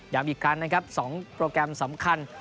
อีกครั้งนะครับ๒โปรแกรมสำคัญ